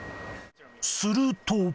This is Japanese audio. すると。